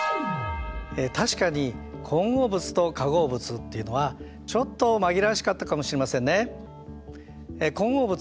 確かに混合物と化合物っていうのはちょっと紛らわしかったかもしれませんね。